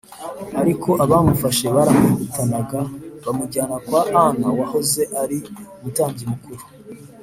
ariko abamufashe baramwihutanaga bamujyana kwa ana wahoze ari umutambyi mukuru